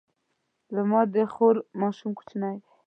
زما د خور ماشوم کوچنی دی